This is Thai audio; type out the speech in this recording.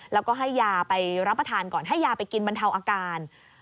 แล้วก็ให้ยาไปรับประทานก่อนให้ยาไปกินบรรเทาอาการ